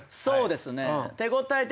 そうですね。